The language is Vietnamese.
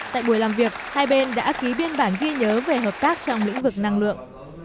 tại buổi làm việc hai bên đã ký biên bản ghi nhớ về hợp tác trong lĩnh vực năng lượng